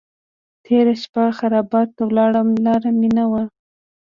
تېره شپه خرابات ته ولاړم لار مې نه وه.